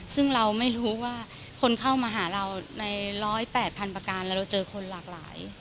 ซึ่งเราไม่รู้ว่าคนเข้ามาหาเราใน๑๐๘๐๐๐ประการแล้วเราเจอคนหลากหลาย